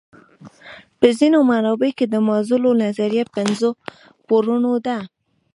په ځینو منابعو کې د مازلو نظریه پنځو پوړونو ده.